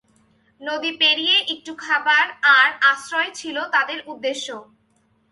নদী পেরিয়ে একটু খাবার আর আশ্রয় ছিলো তাদের উদ্দেশ্য।